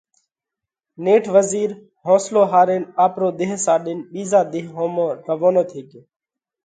نيٺ وزِير حونصلو هارينَ آپرو ۮيه ساڏينَ ٻِيزا ۮيه ۿومو روَونو ٿي ڳيو۔